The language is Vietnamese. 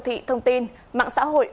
bộ thị thông tin mạng xã hội